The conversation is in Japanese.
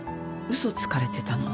嘘つかれてたの。